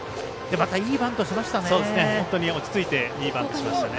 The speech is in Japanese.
またいいバントしましたね。